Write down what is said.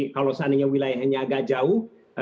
kalau seandainya wilayahnya agak jauh